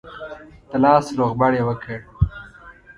د لاس روغبړ یې وکړ.